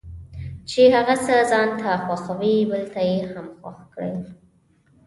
چې هغه څه ځانته خوښوي بل ته یې هم خوښ کړي.